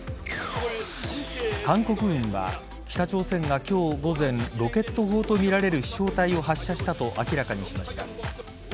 韓国軍は、北朝鮮が今日午前ロケット砲とみられる飛翔体を発射したと明らかにしました。